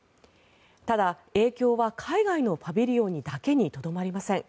ただ、影響は海外のパビリオンだけにとどまりません。